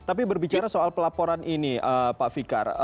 tapi berbicara soal pelaporan ini pak fikar